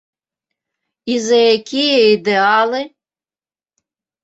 І за якія ідэалы?